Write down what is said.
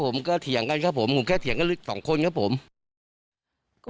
ผมก็เถียงกันครับผมผมแค่เถียงกันสองคนนะครับ